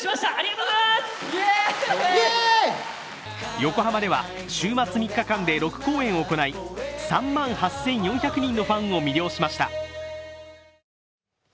横浜では週末３日間で６公演を行い、３万８４００人のファンを魅了しました。